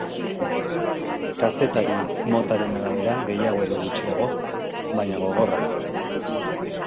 Kazetari motaren arabera gehiago edo gutxiago, baina, gogorra da.